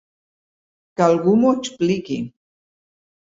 Que algú m'ho expliqui!